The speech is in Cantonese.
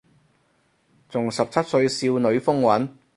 仲十七歲少女風韻